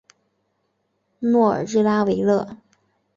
诺尔日拉维勒。